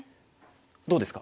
どうですか？